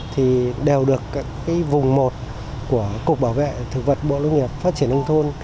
thì đều được vùng một của cục bảo vệ thực vật bộ nông nghiệp phát triển nông thôn